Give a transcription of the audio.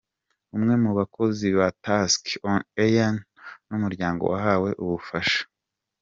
Umwe mu bakozi ba Task On Air n'umuryango wahawe ubufasha.